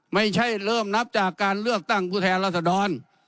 ไม่ใช่เริ่มนับจากการเลือกตั้งผู้แทนรัศดร